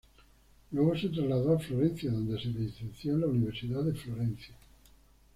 Luego se trasladó a Florencia, donde se licenció en la Universidad de Florencia.